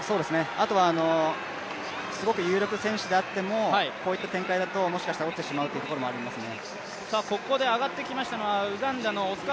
あとはすごく有力選手であってもこういった展開だともしかしたら落ちてしまう可能性はありますね。